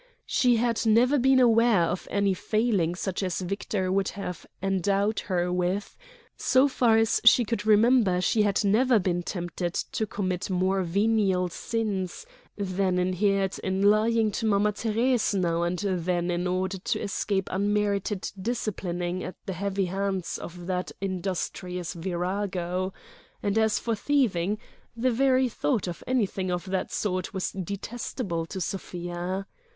She had never been aware of any failing such as Victor would have endowed her with; so far as she could remember she had never been tempted to commit more venial sins than inhered in lying to Mama Thérèse now and then in order to escape unmerited disciplining at the heavy hands of that industrious virago; and as for thieving, the very thought of anything of that sort was detestable to Sofia.